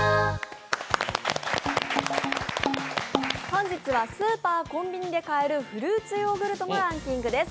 本日はスーパー・コンビニで買えるフルーツヨーグルトのランキングです。